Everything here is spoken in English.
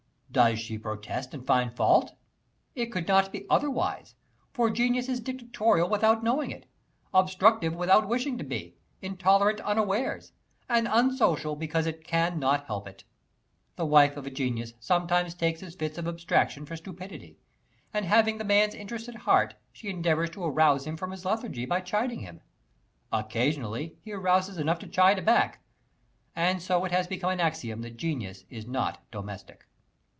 Does she protest, and find fault? It could not be otherwise, for genius is dictatorial without knowing it, obstructive without wishing to be, intolerant unawares, and unsocial because it can not help it. The wife of a genius sometimes takes his fits of abstraction for stupidity, and having the man's interests at heart she endeavors to arouse him from his lethargy by chiding him. Occasionally he arouses enough to chide back; and so it has become an axiom that genius is not domestic.